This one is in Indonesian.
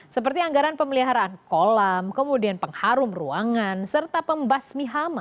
seperti anggaran pemeliharaan kolam kemudian pengharum ruangan serta pembasmi hama